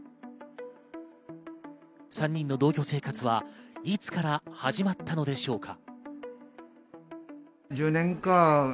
３人の同居生活はいつから始まったのでしょうか。